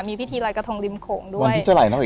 มีพิธีลอยกระทงริมโขงด้วยวันที่เท่าไหร่นะพี่